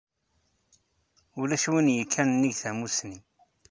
Ulac win yekkan nnig tamusni.